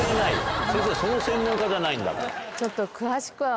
先生その専門家じゃないんだから。